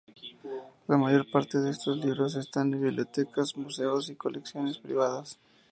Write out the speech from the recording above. La mayor parte de estos libros están en bibliotecas, museos y colecciones privadas.